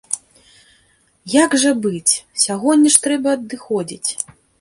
Як жа быць, сягоння ж трэба адыходзіць!